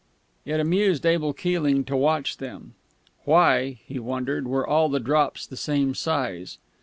It amused Abel Keeling to watch them. Why (he wondered) were all the drops the same size?